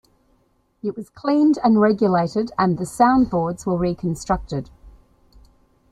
It was cleaned and regulated and the soundboards were reconstructed.